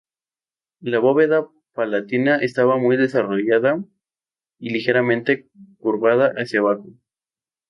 La bóveda palatina estaba muy desarrollada y ligeramente curvada hacia abajo.